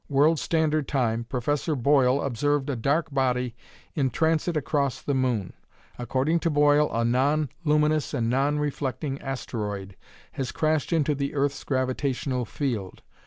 World Standard Time, Professor Boyle observed a dark body in transit across the moon. According to Boyle, a non luminous and non reflecting asteroid has crashed into the earth's gravitational field.